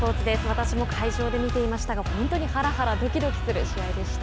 私も会場で見ていましたが本当にハラハラドキドキする試合でした。